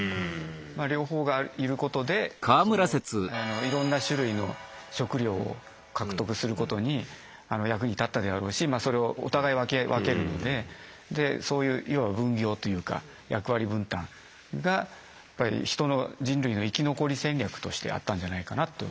まあ両方がいることでそのあのいろんな種類の食料を獲得することにあの役に立ったであろうしまあそれをあのお互い分けるのででそういう要は分業というか役割分担がやっぱりヒトの人類の生き残り戦略としてあったんじゃないかなと。